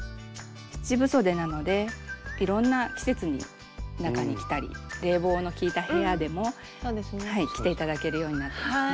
七分そでなのでいろんな季節に中に着たり冷房の効いた部屋でも着て頂けるようになってますね。